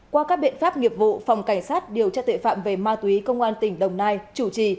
qua các biện pháp nghiệp vụ phòng cảnh sát điều tra tuệ phạm về ma túy công an tỉnh đồng nai chủ trì